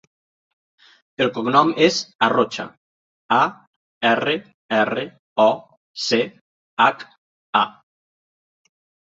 El cognom és Arrocha: a, erra, erra, o, ce, hac, a.